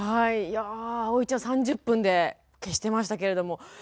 いやあおいちゃん３０分で消してましたけれども。